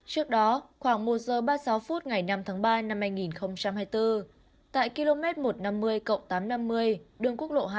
trước đó khoảng một giờ ba mươi sáu phút ngày năm tháng ba năm hai nghìn hai mươi bốn tại km một trăm năm mươi tám trăm năm mươi đường quốc lộ hai